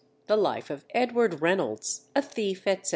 The Life of EDWARD REYNOLDS, a Thief, etc.